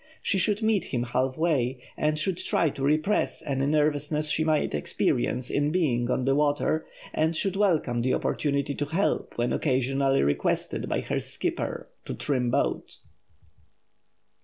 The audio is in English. She should meet him half way, and should try to repress any nervousness she may experience in being on the water and should welcome the opportunity to help when occasionally requested by her "skipper" to "trim boat."